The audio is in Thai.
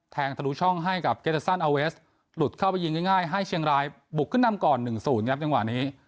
ทะลุช่องให้กับเกตซันอาเวสหลุดเข้าไปยิงง่ายให้เชียงรายบุกขึ้นนำก่อน๑๐ครับจังหวะนี้